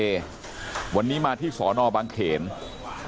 ลูกสาวหลายครั้งแล้วว่าไม่ได้คุยกับแจ๊บเลยลองฟังนะคะ